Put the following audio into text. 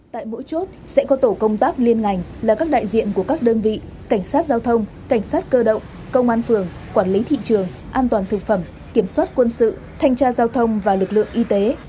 tại mỗi chốt sẽ có tổ công tác liên ngành là các đại diện của các đơn vị cảnh sát giao thông cảnh sát cơ động công an phường quản lý thị trường an toàn thực phẩm kiểm soát quân sự thanh tra giao thông và lực lượng y tế